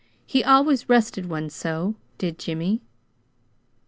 He always rested one so did Jimmy!